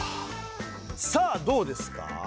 さあどうですか？